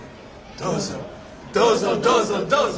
どうぞどうぞどうぞ」